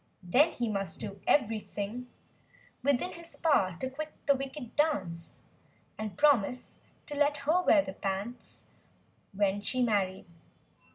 Then he must do every¬ thing 8o Within his power to quit the "wicked" dance— And promise her to let her wear the pants— When she married.